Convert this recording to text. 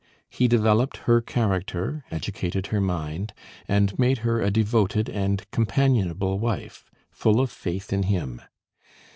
He developed her character, educated her mind, and made her a devoted and companionable wife, full of faith in him.